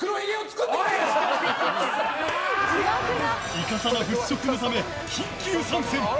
いかさま払拭のため緊急参戦。